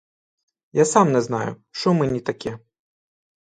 Я сам не знаю, що мені таке.